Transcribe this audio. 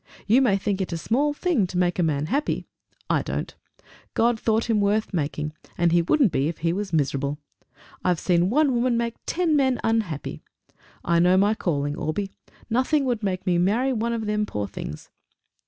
You may think it a small thing to make a man happy! I don't. God thought him worth making, and he wouldn't be if he was miserable. I've seen one woman make ten men unhappy! I know my calling, Orbie. Nothing would make me marry one of them, poor things!"